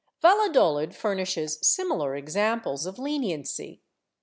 ^ Valladolid furnishes similar examples of leniency.